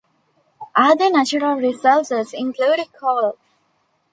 Other natural resources include coal.